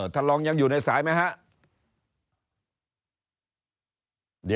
ท่านลองยังอยู่ในสายไหมครับ